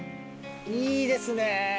いいですね。